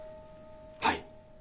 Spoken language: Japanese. はい。